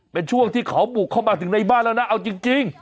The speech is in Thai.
เป็นช่วงที่เขาบุกเข้ามาถึงในบ้านแล้วนะเอาจริง